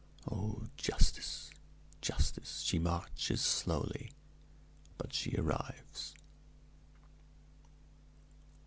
Oh, Justice, Justice! She marches slowly; but she arrives."